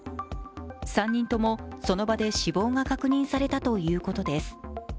３人ともその場で死亡が確認されたということです。